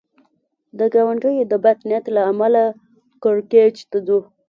د ګاونډیو د بد نیت له امله کړکېچ ته ځو.